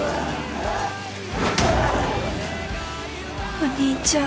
お兄ちゃん